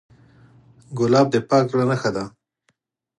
ګلاب د پاک زړه نښه ده.